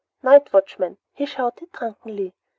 Night watchman!" he shouted drunkenly.